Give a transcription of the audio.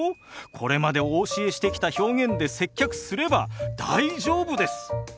これまでお教えしてきた表現で接客すれば大丈夫です。